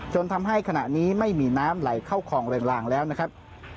จนทำให้ขณะนี้ไม่มีน้ำไหลเข้าคลองแรงลางแล้วนะครับ